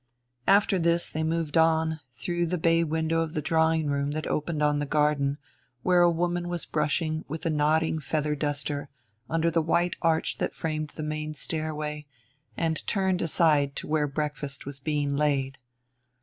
After this they moved on, through the bay window of the drawing room that opened on the garden, where a woman was brushing with a nodding feather duster, under the white arch that framed the main stairway, and turned aside to where breakfast was being laid.